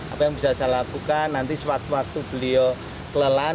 apa yang bisa saya lakukan nanti sewaktu waktu beliau kelelan